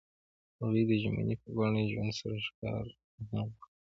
هغوی د ژمنې په بڼه ژوند سره ښکاره هم کړه.